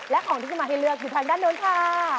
และของที่จะมาให้เลือกอยู่ทางด้านโน้นค่ะ